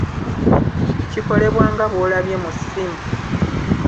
Kikolebwa nga bw'olabye mu ssimu.